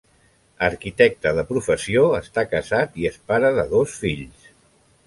Arquitecte de professió, està casat i és pare de dos fills.